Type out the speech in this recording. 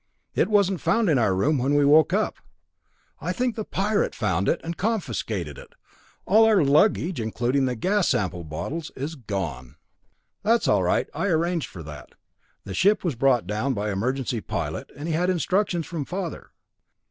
It wasn't found in our room when we woke up. I think the Pirate found it and confiscated it. All our luggage, including the gas sample bottles, is gone." "That's all right. I arranged for that. The ship was brought down by an emergency pilot and he had instructions from father.